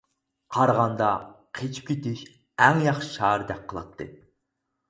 قارىغاندا، قېچىپ كېتىش ئەڭ ياخشى چارىدەك قىلاتتى.